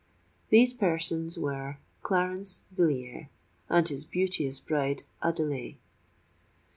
These persons were Clarence Villiers and his beauteous bride, Adelais.